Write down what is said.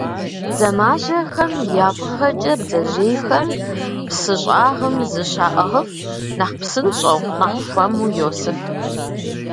Бдзэмажьэхэм я фӏыгъэкӏэ бдзэжьейхэм псы щӏагъым зыщаӏыгъыф, нэхъ псынщӏэу, нэхъ хуэму йосыф.